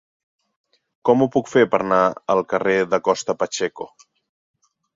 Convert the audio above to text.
Com ho puc fer per anar al carrer de Costa Pacheco?